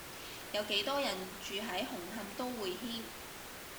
有幾多人住喺紅磡都會軒